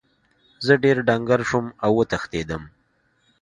زه ډیر ډنګر شوم او وتښتیدم.